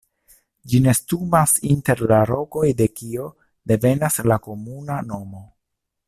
Ĝi nestumas inter la rokoj de kio devenas la komuna nomo.